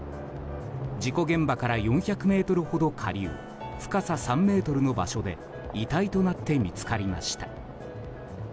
事故現場から４００ｍほど下流深さ３ｍの場所で遺体となって見つかりました。